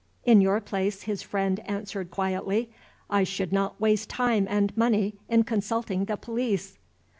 "In your place," his friend answered quietly, "I should not waste time and money in consulting the police."